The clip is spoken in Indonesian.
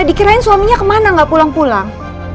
dikira suaminya kemana tidak pulang pulang